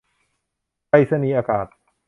ไปรษณีย์อากาศ